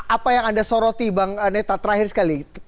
apa yang anda soroti bang neta terakhir sekali